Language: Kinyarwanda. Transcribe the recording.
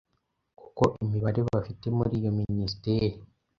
kuko imibare bafite muri iyo minisiteri